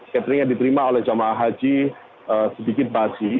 catering yang diterima oleh jemaah haji sedikit basi